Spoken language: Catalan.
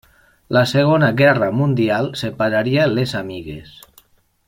La Segona Guerra Mundial separaria les amigues.